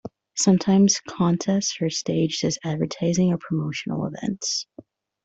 Sometimes, contests are staged as advertising or promotional events.